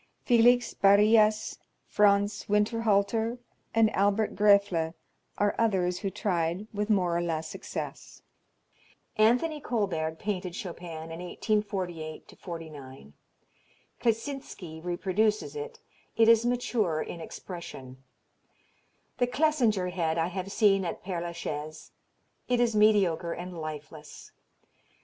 Felix Barrias, Franz Winterhalter, and Albert Graefle are others who tried with more or less success. Anthony Kolberg painted Chopin in 1848 49. Kleczynski reproduces it; it is mature in expression. The Clesinger head I have seen at Pere la Chaise. It is mediocre and lifeless.